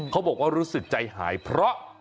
เขาบอกว่ารู้สึกใจหายเพราะ